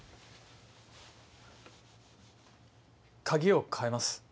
鍵を変えます。